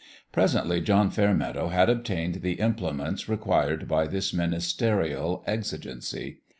Presently John Fairmeadow had obtained the implements required by this ministerial exigency.